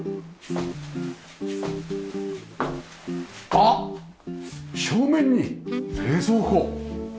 あっ正面に冷蔵庫！